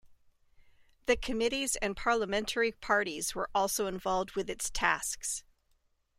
The committees and parliamentary parties are also involved with its tasks.